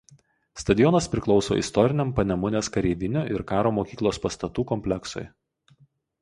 Stadionas priklauso istoriniam Panemunės kareivinių ir Karo mokyklos pastatų kompleksui.